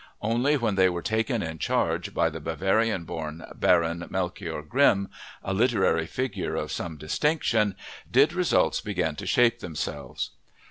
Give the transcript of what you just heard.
Only when they were taken in charge by the Bavarian born Baron Melchior Grimm, a literary figure of some distinction, did results begin to shape themselves.